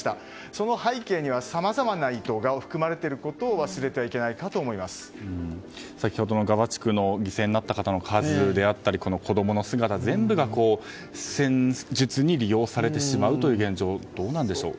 その背景には、さまざまな意図が含まれていることを先ほどの、ガザ地区の犠牲になった方の数であったり子供の姿全部が戦術に利用されてしまうというこの現状は、どうなんでしょうか。